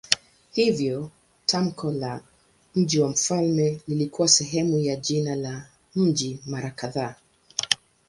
Hivyo tamko la "mji wa mfalme" likawa sehemu ya jina la mji mara kadhaa.